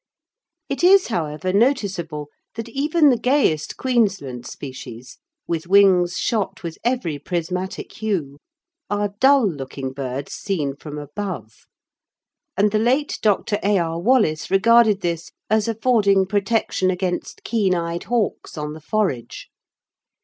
It is, however, noticeable that even the gayest Queensland species, with wings shot with every prismatic hue, are dull looking birds seen from above, and the late Dr. A. R. Wallace regarded this as affording protection against keen eyed hawks on the forage.